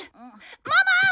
ママ！